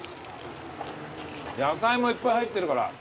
野菜もいっぱい入ってるから。